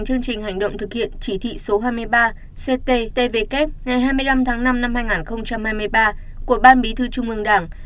chương trình hành động thực hiện chỉ thị số hai mươi ba cttvk ngày hai mươi năm tháng năm năm hai nghìn hai mươi ba của ban bí thư trung ương đảng